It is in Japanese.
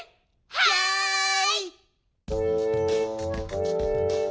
はい！